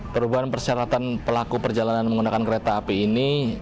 perubahan persyaratan pelaku perjalanan menggunakan kereta api ini